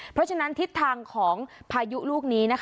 เพราะฉะนั้นทิศทางของพายุลูกนี้นะคะ